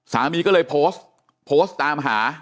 สามีก็เลยโพสต์โพสต์ตามหา